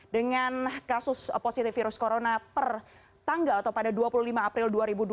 dengan kasus positif virus corona per tanggal atau pada dua puluh lima april dua ribu dua puluh